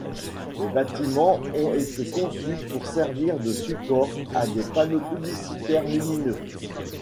Les bâtiments ont été conçus pour servir de support à des panneaux publicitaires lumineux.